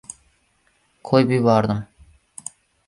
Qo‘yib yubordim.